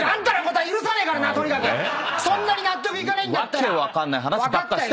そんなに納得いかないんだったら分かったよ。